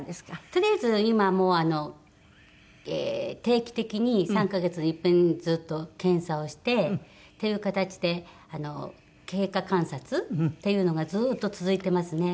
とりあえず今はもうあの定期的に３カ月にいっぺんずっと検査をしてっていう形であの経過観察っていうのがずっと続いてますね